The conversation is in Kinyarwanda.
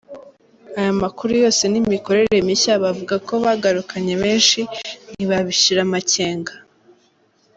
Aya makuru yose n’imikorere mishya bavuga ko bagarukanye, benshi ntibabishira amakenga.